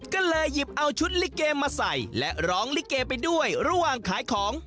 ก็เลยหยิบเอาชุดลิเกมาใส่และร้องลิเกไปด้วยระหว่างขายของ